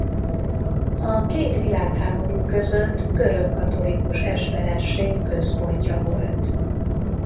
A két világháború között görögkatolikus esperesség központja volt.